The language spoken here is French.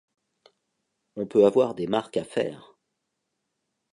On peut avoir des marques à faire.